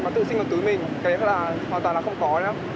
mà tự sinh vào túi mình cái đó là hoàn toàn là không có